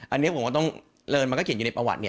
อันนี้ผมก็ต้องเลินมันก็เขียนอยู่ในประวัติ